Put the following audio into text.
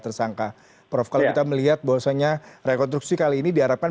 tersangka prof kalau kita melihat bahwasannya rekonstruksi kali ini diharapkan